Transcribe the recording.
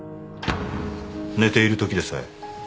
寝ているときでさえ。